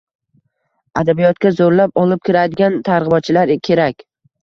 Adabiyotga zo‘rlab olib kiradigan targ‘ibotchilar kerak.